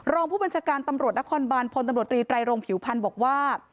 รองผู้บัญชาการตำรวจนครบานพลตำรวจรีไตรโรงผิวพันธ์บอกว่า